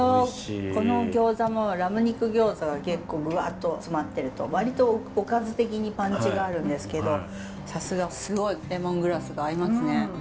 この餃子もラム肉餃子が結構ぐわっと詰まってると割とおかず的にパンチがあるんですけどさすがすごいレモングラスが合いますね！